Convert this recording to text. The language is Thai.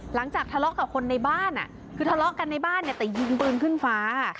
หลังจากทะเลาะกับคนในบ้านคือทะเลาะกันในบ้านเนี่ยแต่ยิงปืนขึ้นฟ้า